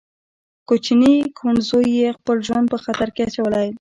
کوچني کوڼ زوی يې خپل ژوند په خطر کې اچولی.